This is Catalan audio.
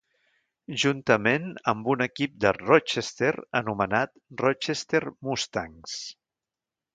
Juntament amb un equip de Rochester anomenat Rochester Mustangs.